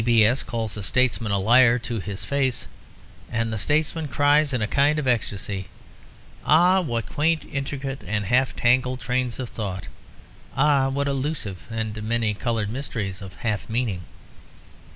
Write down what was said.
G. B. S. calls a statesman a liar to his face, and the statesman cries in a kind of ecstasy, "Ah, what quaint, intricate and half tangled trains of thought! Ah, what elusive and many coloured mysteries of half meaning!"